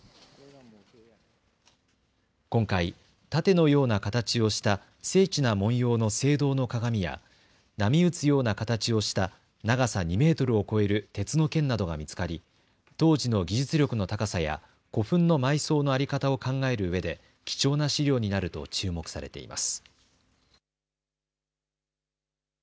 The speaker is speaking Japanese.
今回、盾のような形をした精緻な文様の青銅の鏡や波打つような形をした長さ２メートルを超える鉄の剣などが見つかり当時の技術力の高さや古墳の埋葬の在り方を考えるうえで貴重な資料になると注目されています。